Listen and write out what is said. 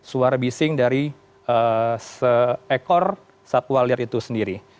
dan bisa diberikan sebuah tracing dari seekor satwa liar itu sendiri